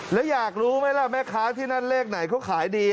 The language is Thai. แล้วอยากรู้ไหมล่ะแม่ค้าที่นั่นเลขไหนเขาขายดี